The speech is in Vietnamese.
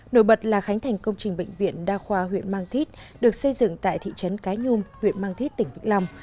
nổi bật là khánh thành công trình bệnh viện đa khoa huyện mang thít được xây dựng tại thị trấn cái nhung huyện mang thít tỉnh vĩnh long